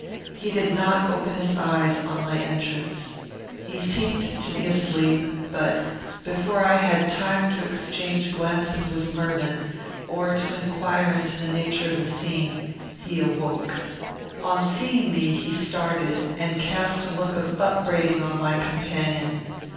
He did not open his eyes on my entrance. He seemed to be asleep; but, before I had time to exchange glances with Mervyn, or to inquire into the nature of the scene, he awoke. On seeing me he started, and cast a look of upbraiding on my companion.